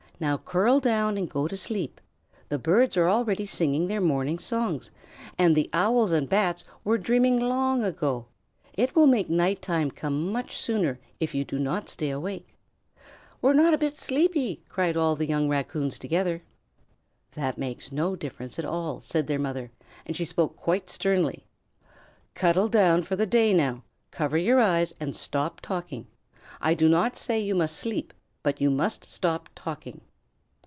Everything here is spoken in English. Now curl down and go to sleep. The birds are already singing their morning songs, and the Owls and Bats were dreaming long ago. It will make night time come much sooner if you do not stay awake." "We're not a bit sleepy," cried all the young Raccoons together. "That makes no difference at all," said their mother, and she spoke quite sternly. "Cuddle down for the day now, cover your eyes, and stop talking. I do not say you must sleep, but you must stop talking."